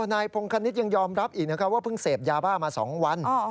นายพงคณิตยังยอมรับอีกนะครับว่าเพิ่งเสพยาบ้ามา๒วัน